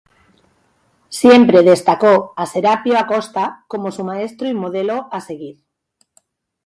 Siempre destacó a Serapio Acosta como su maestro y modelo a seguir.